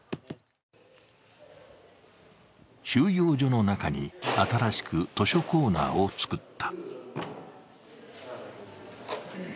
収容所の中に新しく図書コーナーを作った。